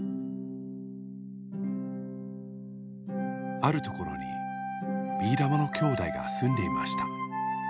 あるところにビーだまの兄弟がすんでいました。